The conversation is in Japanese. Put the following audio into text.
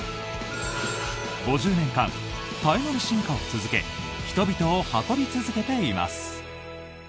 ５０年間、たゆまぬ進化を続け人々を運び続けています。